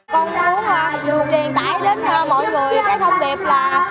con muốn truyền tải đến mọi người cái thông điệp là